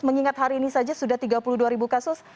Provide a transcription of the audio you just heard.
mengingat hari ini saja sudah tiga puluh dua ribu kasus